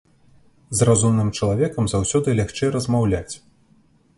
З разумным чалавекам заўсёды лягчэй размаўляць.